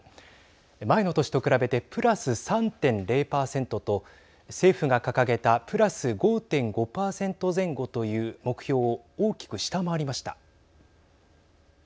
前の年と比べてプラス３．０％と政府が掲げたプラス５．５％前後という目標を大きく下回りました。